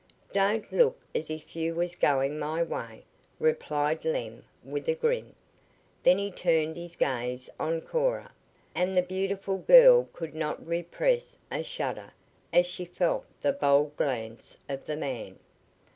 "Don't look as if you was goin' my way," replied Lem with a grin. Then he turned his gaze on Cora, and the beautiful girl could not repress a shudder as she felt the bold glance of the man.